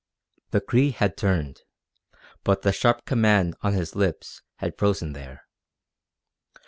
The Cree had turned, but the sharp command on his lips had frozen there.